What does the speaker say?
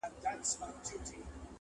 انسانان لا هم زده کوي تل,